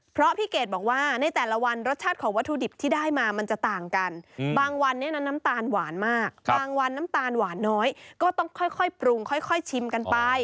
เพราะพี่เกดบอกว่าในแต่ละวันรสชาติของวัตถุดิบที่ได้มามันจะต่างกันบางวันเนี่ยนะน้ำตาลหวานมากบางวันน้ำตาลหวานน้อยก็ต้องค่อยปรุงค่อยชิมกันไป